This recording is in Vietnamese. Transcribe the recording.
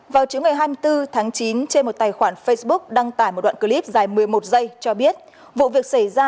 vào chữ ngày hai mươi bốn tháng chín trên một tài khoản facebook đăng tải một đoạn clip dài một mươi một giây cho biết vụ việc xảy ra